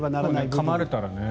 かまれたらね。